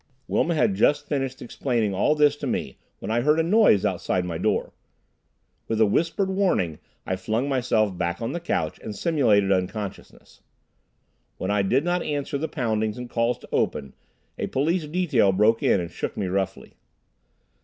Wilma had just finished explaining all this to me when I heard a noise outside my door. With a whispered warning I flung myself back on the couch and simulated unconsciousness. When I did not answer the poundings and calls to open, a police detail broke in and shook me roughly.